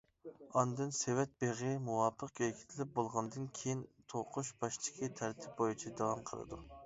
ئاندىن سېۋەت بېغى مۇۋاپىق بېكىتىلىپ بولغاندىن كېيىن، توقۇش باشتىكى تەرتىپ بويىچە داۋام قىلىدۇ.